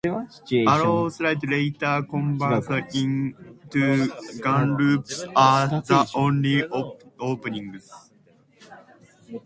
Arrow slits, later converted into gunloops, are the only openings.